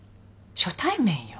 初対面よ。